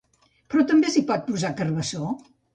però també s'hi pot posar carbassó